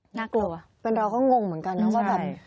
น่ากลัวเป็นเราก็งงเหมือนกันนะว่าแบบ